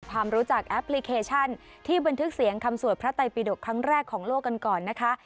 ความรู้จักแอปพลิเคชันที่บันทึกเสียงคำสวดพระไตปิดกครั้งแรกของโลกกันก่อนนะคะ